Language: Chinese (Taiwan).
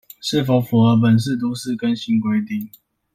是否符合本市都市更新規定